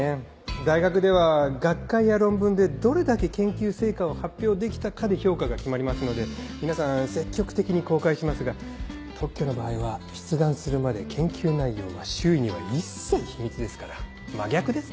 大学では学会や論文でどれだけ研究成果を発表できたかで評価が決まりますので皆さん積極的に公開しますが特許の場合は出願するまで研究内容は周囲には一切秘密ですから真逆ですね。